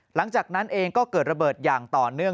หลังจากนั้นเองก็เกิดระเบิดอย่างต่อเนื่อง